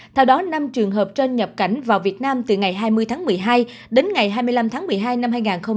theo đó năm trường hợp trên nhập cảnh vào việt nam từ ngày hai mươi tháng một mươi hai đến ngày hai mươi năm tháng một mươi hai năm hai nghìn hai mươi